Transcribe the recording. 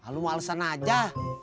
lo mau alesan aja